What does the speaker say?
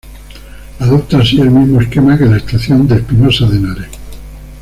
Adopta así el mismo esquema que la Estación de Espinosa de Henares.